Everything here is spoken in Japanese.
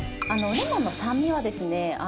レモンの酸味はですね